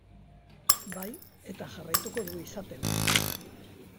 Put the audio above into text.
Bai, eta jarraituko du izaten.